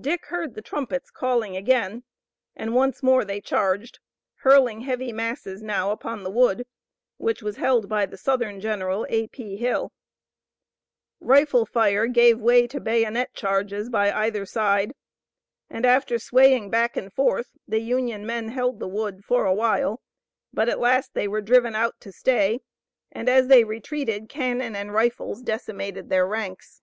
Dick heard the trumpets calling again, and once more they charged, hurling heavy masses now upon the wood, which was held by the Southern general, A. P. Hill. Rifle fire gave way to bayonet charges by either side, and after swaying back and forth the Union men held the wood for a while, but at last they were driven out to stay, and as they retreated cannon and rifles decimated their ranks.